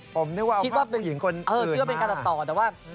ผมนึกว่าภาพผู้หญิงคนเหลือมา